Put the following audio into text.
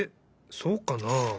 そうかな？